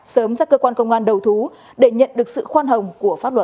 sớm ra cơ quan công an đầu thú để nhận được sự khoan hồng của pháp luật